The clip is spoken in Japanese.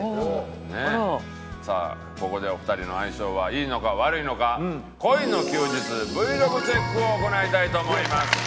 さあここでお二人の相性はいいのか悪いのか恋の休日Ｖｌｏｇチェックを行いたいと思います。